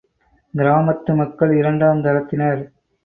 கிராமத்து மக்கள் இரண்டாம் தரத்தினர்!